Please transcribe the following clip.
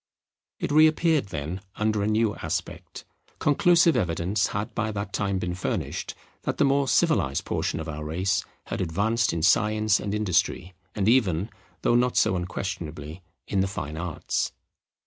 It re appeared then under a new aspect. Conclusive evidence had by that time been furnished that the more civilized portion of our race had advanced in science and industry, and even, though not so unquestionably, in the fine arts.